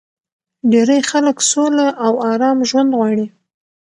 ډېری خلک سوله او ارام ژوند غواړي